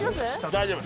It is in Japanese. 大丈夫。